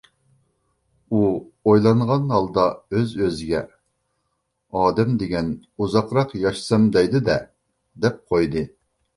ئۇ ئويلانغان ھالدا ئۆز-ئۆزىگە: «ئادەم دېگەن ئۇزاقراق ياشىسام دەيدۇ-دە» دەپ قويدى.